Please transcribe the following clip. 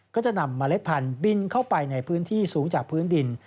ก็จะนำเมล็ดพันธุ์บินเข้าไปในพื้นที่สูงจากพื้นดิน